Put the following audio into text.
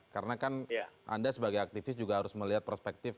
karena kan anda sebagai aktivis juga harus melihat perspektif